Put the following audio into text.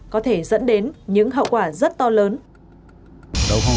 có thể dẫn đến những hậu quả rất to lớn